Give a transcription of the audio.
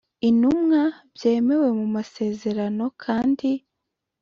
intumwa byemewe mu masezerano kandi